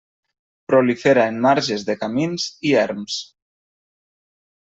Prolifera en marges de camins i erms.